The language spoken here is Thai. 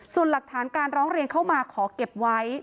ส่วนหลักฐานการร้องเรียนเข้ามาขอเก็บไว้